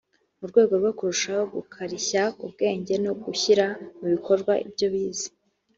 mu rwego rwo kurushaho gukarishya ubwenge no gushyira mu bikorwa ibyo bize